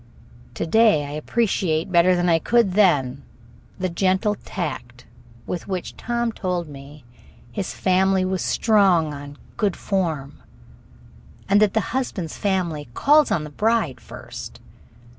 To day I appreciate better than I could then the gentle tact with which Tom told me his family was strong on "good form", and that the husband's family calls on the bride first.